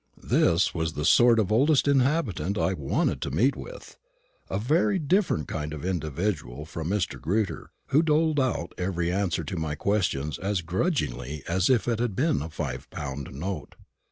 This was the sort of oldest inhabitant I wanted to meet with a very different kind of individual from Mr. Grewter, who doled out every answer to my questions as grudgingly as if it had been a five pound note.